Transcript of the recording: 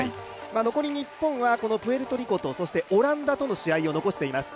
残り日本はプエルトリコとオランダとの試合を残しています。